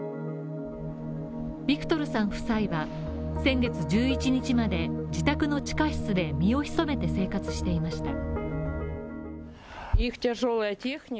ビクトルさん夫妻は、先月１１日まで自宅の地下室で身を潜めて生活していました。